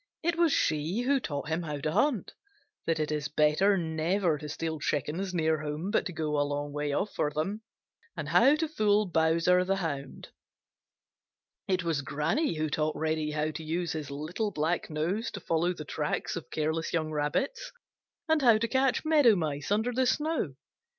It was she who taught him how to hunt, that it is better never to steal chickens near home but to go a long way off for them, and how to fool Bowser the Hound. It was Granny who taught Reddy how to use his little black nose to follow the tracks of careless young Rabbits, and how to catch Meadow Mice under the snow.